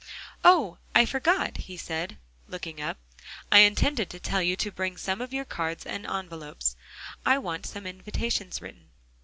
"Oh! I forgot," he said, looking up; "I intended to tell you to bring some of your cards and envelopes. I want some invitations written."